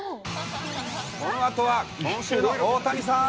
このあとは今週の大谷さん。